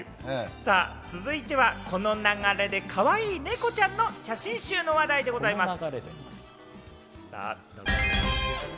続いてはこの流れで、かわいい猫ちゃんの写真集の話題です。